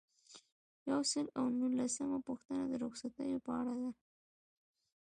یو سل او نولسمه پوښتنه د رخصتیو په اړه ده.